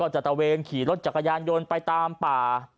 ตะเวนขี่รถจักรยานยนต์ไปตามป่า